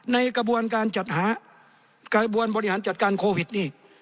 ในกระบวนการจัดหากระบวนบริหารจัดการโควิดนี่